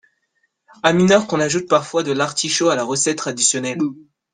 À Minorque, on ajoute parfois de l'artichaut à la recette traditionnelle.